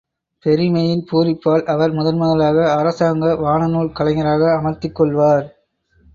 பெருமையின் பூரிப்பால் அவர் முதன் முதலாக அரசாங்க வானநூல் கலைஞராக அமர்த்திக் கொள்வார்.